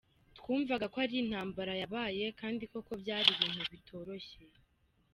Twumvaga ko ari intambara yabaye kandi koko byari ibintu bitoroshye.